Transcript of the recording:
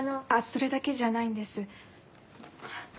それだけじゃないんです。